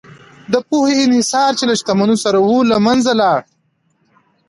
د پوهې انحصار چې له شتمنو سره و، له منځه لاړ.